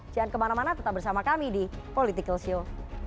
jangan kemana mana tetap bersama kami di politikalshow